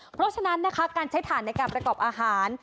เพราะฉะนั้นนะคะการใช้ถ่านในการประกอบอาหาร